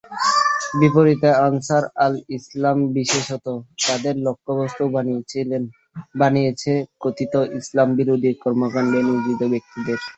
বিপরীতে, আনসার-আল-ইসলাম বিশেষত তাদের লক্ষ্যবস্তু বানিয়েছে কথিত ইসলামবিরোধী কর্মকাণ্ডে নিয়োজিত ব্যক্তিদের।